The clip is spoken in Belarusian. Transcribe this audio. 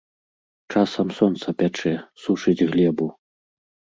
Часам сонца пячэ, сушыць глебу.